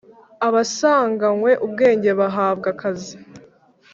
abasanganywe ubwenge bahabwa akazi